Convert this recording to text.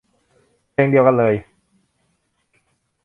เพลงเดียวกันเลย